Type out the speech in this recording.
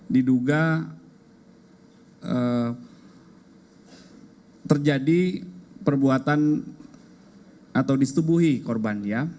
diduga terjadi perbuatan atau disetubuhi korban